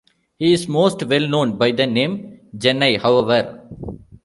He is most well known by the name "Gennai", however.